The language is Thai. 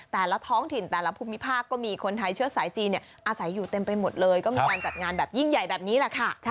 แต่ละท้องถิ่นแต่ละภูมิภาคก็มีคนไทยเชื้อสายจีนอาศัยอยู่เต็มไปหมดเลยก็มีการจัดงานแบบยิ่งใหญ่แบบนี้แหละค่ะ